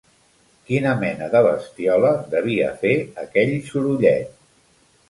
Quina mena de bestiola devia fer aquell sorollet?